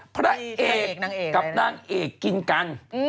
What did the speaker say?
พระเอกกับนางเอกกินกัน